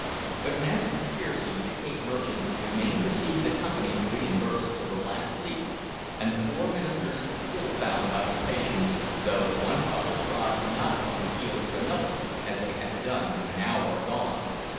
But Master Piersey, the Cape Merchant, remained to see the Company reimbursed to the last leaf, and the four ministers still found occupation, though one couple trod not upon the heels of another, as they had done an hour agone.